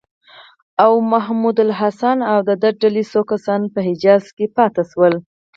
او محمودالحسن او د ده د ډلې څو کسان په حجاز کې پاتې شول.